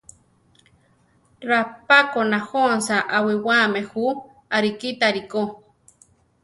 Rapákona jónsa awiwáame jú, arikítari ko.